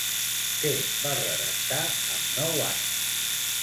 Què va redactar amb nou anys?